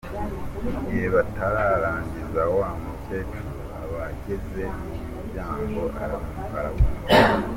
Igihe batararangiza, wa mukecuru aba ageze mu muryango arabumva.